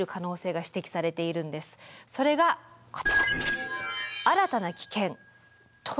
それがこちら。